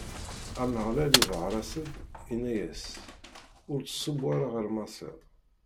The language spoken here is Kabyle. Ameɣlal iḍher-as-d, inna-as: Ur ttṣubbu ara ɣer Maṣer.